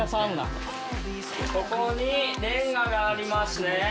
ここにレンガがありますね。